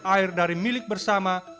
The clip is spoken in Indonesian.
air adalah milik bersama